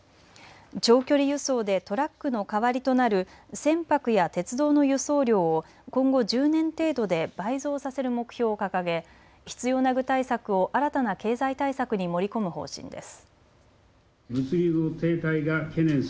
長距離輸送でトラックの代わりとなる船舶や鉄道の輸送量を今後１０年程度で倍増させる目標を掲げ必要な具体策を新たな経済対策に盛り込む方針です。